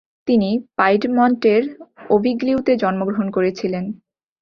তিনি পাইডমন্টের ওভিগ্লিওতে জন্মগ্রহণ করেছিলেন।